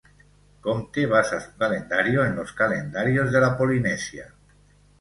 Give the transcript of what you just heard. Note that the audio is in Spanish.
Comte basa su calendario en los calendarios de la Polinesia.